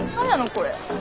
これ。